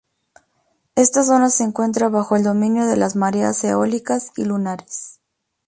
Esta zona se encuentra bajo el dominio de las mareas eólicas y lunares.